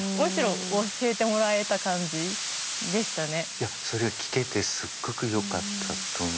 いやそれが聞けてすっごくよかったと思います。